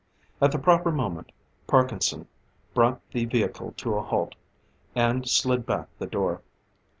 At the proper moment, Parkinson, brought the vehicle to a halt, and slid back the door.